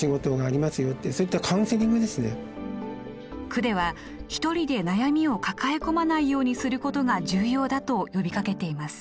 区ではひとりで悩みを抱え込まないようにすることが重要だと呼びかけています。